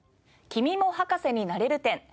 「君も博士になれる展」